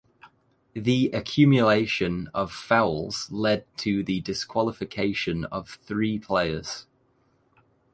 The accumulation of fouls led to the disqualification of three players.